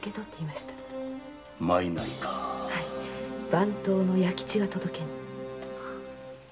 番頭の弥吉が届けに。